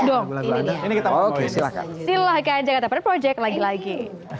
dong ini kita oke silakan silakan jangan tapan project lagi lagi